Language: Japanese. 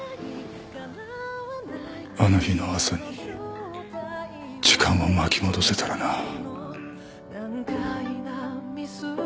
あの日の朝に時間を巻き戻せたらな。